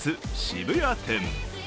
渋谷店。